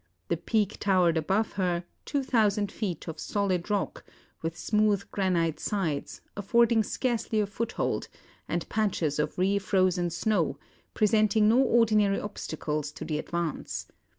The Peak towered above her, two thousand feet of solid rock, with smooth granite sides, affording scarcely a foothold, and patches of re frozen snow, presenting no ordinary obstacle to the advance.